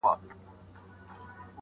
د حق د لېونیو نندارې ته ځي وګري-